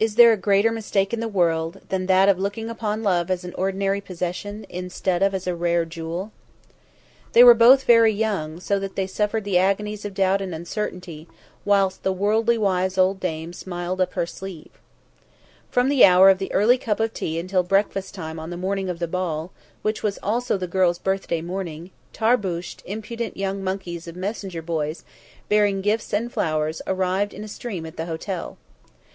Is there a greater mistake in the world than that of looking upon love as an ordinary possession, instead of as a rare jewel? They were both very young, so that they suffered the agonies of doubt and uncertainty, whilst the worldly wise old dame smiled up her sleeve. From the hour of the early cup of tea until breakfast time on the morning of the ball, which was also the girl's birthday morning, tarbusched, impudent young monkeys of messenger boys, bearing gifts and flowers, arrived in a stream at the hotel.